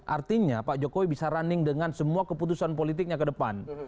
artinya pak jokowi bisa running dengan semua keputusan politiknya ke depan